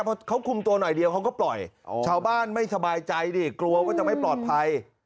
เพราะเขาคุมตัวหน่อยเดียวเขาก็ปล่อยชาวบ้านไม่สบายใจดิกลัวว่าจะไม่ปลอดภัย